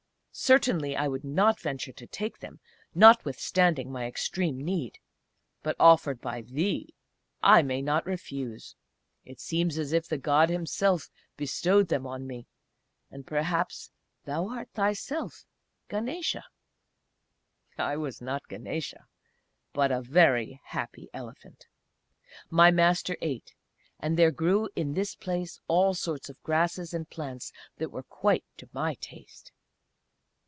"Certainly I would not venture to take them notwithstanding my extreme need; but offered by thee I may not refuse; it seems as if the God himself bestowed them on me.... And perhaps thou art, thyself, Ganesa!" I was not "Ganesa" but a very happy elephant. My Master ate; and there grew in this place all sorts of grasses and plants that were quite to my taste.